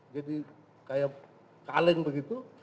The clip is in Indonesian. jadi kayak kaleng begitu